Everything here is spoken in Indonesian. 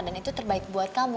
dan itu terbaik buat kamu